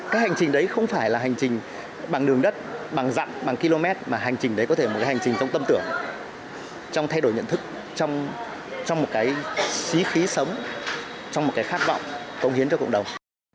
các hành trình đấy không phải là hành trình bằng đường đất bằng dặn bằng km mà hành trình đấy có thể một hành trình trong tâm tưởng trong thay đổi nhận thức trong một cái trí khí sống trong một cái khát vọng cống hiến cho cộng đồng